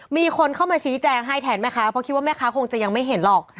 มีคนเข้ามาชี้แจงให้แทนแม่ค้าเพราะคิดว่าแม่ค้าคงจะยังไม่เห็นหรอก